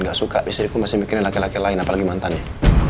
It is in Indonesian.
enggak suka istriku masih mikirin laki laki lain apalagi mantannya